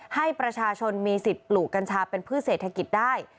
ให้ประชาชนมีสิทธิ์ปลูกกัญชาเป็นพืชเศรษฐกิจได้